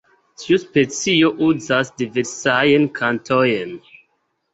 Tiu specio uzas diversajn kantojn.